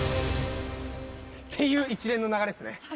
っていう一連の流れですね。